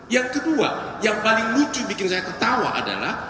yang kedua yang paling lucu bikin saya ketawa adalah